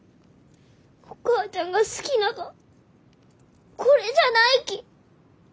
お母ちゃんが好きながはこれじゃないき。